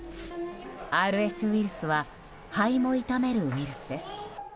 ＲＳウイルスは肺も痛めるウイルスです。